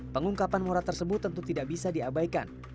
pengungkapan mora tersebut tentu tidak bisa diabaikan